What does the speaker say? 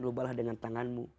lubalah dengan tanganmu